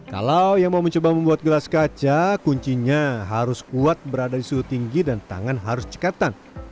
kalau yang mau mencoba membuat gelas kaca kuncinya harus kuat berada di suhu tinggi dan tangan harus cekatan